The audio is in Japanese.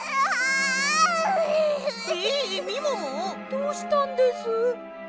どうしたんです？